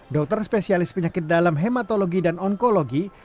dokter spesialis penyakit dalam hematologi dan onkologi